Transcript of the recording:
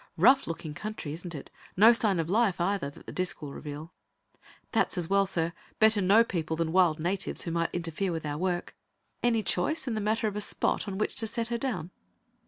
"Rough looking country, isn't it? No sign of life, either, that the disc will reveal." "That's as well, sir. Better no people than wild natives who might interfere with our work. Any choice in the matter of a spot on which to set her down?"